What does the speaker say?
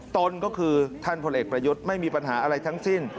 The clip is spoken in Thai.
ตนก็คือท่านพลเอกประยุทธ์ไม่มีปัญหาอะไรทั้งสิ้น